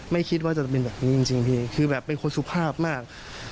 ไม่คิดว่าจะเป็นแบบนี้จริงพี่คือแบบเป็นคนสุภาพมาก